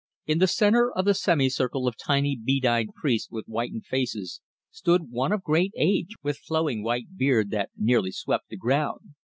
In the centre of the semi circle of tiny bead eyed priests with whitened faces stood one of great age with flowing white beard that nearly swept the ground.